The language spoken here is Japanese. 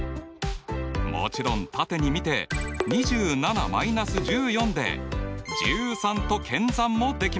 もちろん縦に見て２７−１４で１３と検算もできます！